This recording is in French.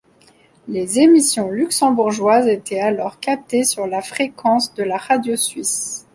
Les émissions luxembourgeoises étaient alors captées sur la fréquence de la radio suisse.